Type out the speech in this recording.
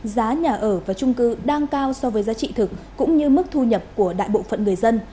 giá nhà ở và trung cư đang cao so với giá trị thực cũng như mức thu nhập của đại bộ phận người dân